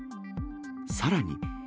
さらに。